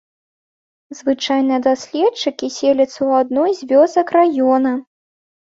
Звычайна даследчыкі селяцца ў адной з вёсак раёна.